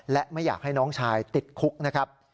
และไม่อยากให้น้องชายติดคุกนะครับ